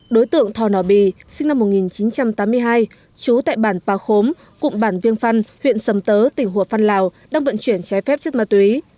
đối tượng thò nò bì sinh năm một nghìn chín trăm tám mươi hai trú tại bản pà khốm cụm bản viêng phăn huyện sầm tớ tỉnh hùa phan lào đang vận chuyển trái phép chất ma túy